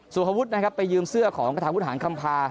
สุภวุฒินะครับไปยืมเสื้อของกระทาวุฒหารคำพา